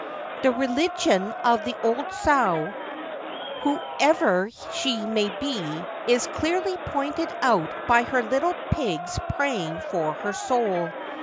The religion of the 'old sow,' whoever she may be, is clearly pointed out by her little pigs praying for her soul.